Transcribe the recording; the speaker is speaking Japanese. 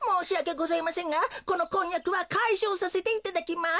ございませんがこのこんやくはかいしょうさせていただきます。